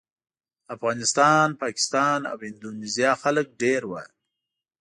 افغانستان، پاکستان او اندونیزیا خلک ډېر وو.